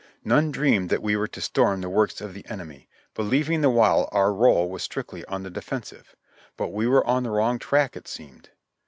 None dreamed that we were to storm the works of the enemy, believing the while our role was strictly on the defensive. But we were on the wrong track it seemed.